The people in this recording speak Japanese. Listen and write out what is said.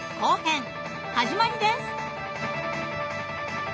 始まりです！